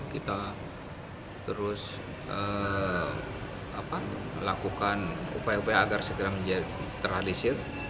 kita terus melakukan upaya upaya agar segera menjadi terhadisir